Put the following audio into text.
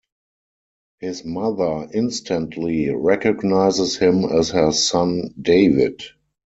His mother instantly recognizes him as her son David.